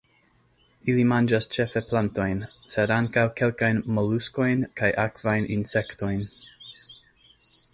Ili manĝas ĉefe plantojn, sed ankaŭ kelkajn moluskojn kaj akvajn insektojn.